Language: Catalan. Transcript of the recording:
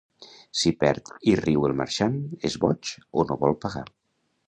Si perd i riu el marxant, és boig o no vol pagar.